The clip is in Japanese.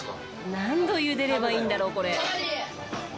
何度茹でればいいんだろうこれ。